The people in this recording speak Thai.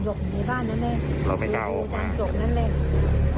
หยกอยู่ในบ้านนั้นแหละเราไม่กล้าออกมาหยกนั้นแหละ